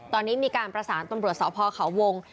ตอนนี้มีการประสานตำรวจสพเขาวง